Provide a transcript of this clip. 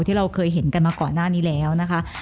ที่เราเคยเห็นกันมาก่อนหน้านี้แล้วนะคะ